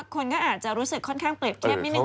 คนก็อาจจะรู้สึกค่อนข้างเปรียบเทียบนิดนึ